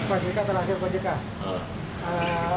pak jika terakhir pak jika